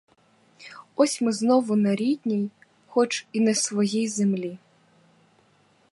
Ось ми знову на рідній, хоч і не своїй землі.